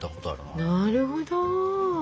なるほど。